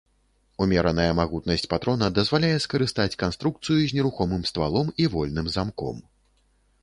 Умераная магутнасць патрона дазваляе скарыстаць канструкцыю з нерухомым ствалом і вольным замком.